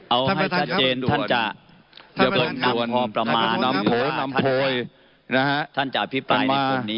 เอาให้ท่านเจนท่านจะเกิดนำพอประมาณท่านจะอภิปรายในตัวนี้